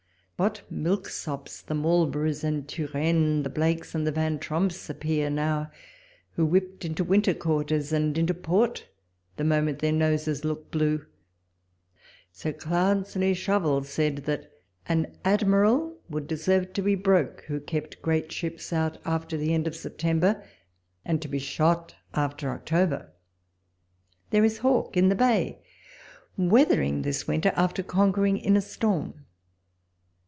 What milksops the Marlboroughs and Turennes, the Blakes and the Van Tromps appear now, who whipped into winter quarters and into port, the moment their noses looked blue. Sir Cloudesley Shovel said that an admiral would deserve to be broke, who kept great ships out after the end of September, and to be shot after October. There is Hawke in the bay weathering this winter, after conquering in a storm.